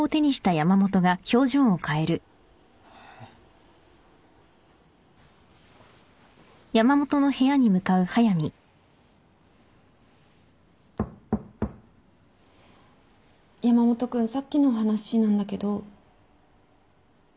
山本君さっきの話なんだけど。